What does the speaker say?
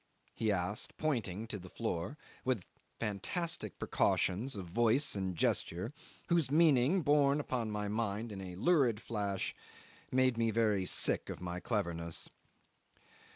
he asked, pointing to the floor with fantastic precautions of voice and gesture, whose meaning, borne upon my mind in a lurid flash, made me very sick of my cleverness.